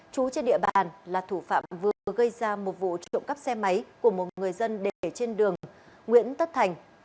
trú trên địa bàn là thủ phạm vừa gây ra một vụ trộm cắp xe máy của một người dân để trên đường nguyễn tất thành